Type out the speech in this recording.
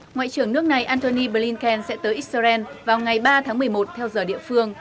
ngoại trưởng nước này antony blinken sẽ tới israel vào ngày ba tháng một mươi một theo giờ địa phương